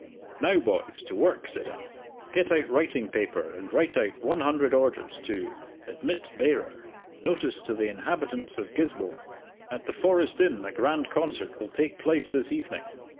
"Now boys to work," said I. "Get out writing paper and write out one hundred orders to 'Admit bearer. Notice to the inhabitants of Gisborne! At the Forest Inn a grand concert will take place this evening!